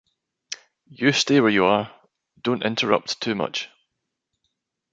You stay where you are — don't interrupt too much.